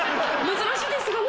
珍しいですよね